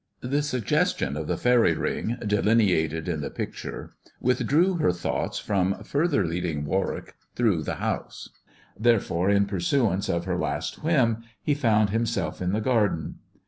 The suggestion of the faery ring delineated in the picture withdrew her thoughts from further leading War wick through the house ; therefore, in pursuance of her last whim, he found himself in the garden.